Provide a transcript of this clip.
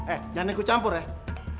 eh jangan ikut campur ya